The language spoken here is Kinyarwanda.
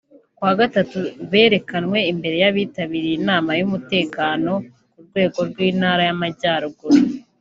kuwa Gatatu berekanywe imbere y’abitabiriye inama y’umutekano ku rwego rw’Intara y’Amajyaruguru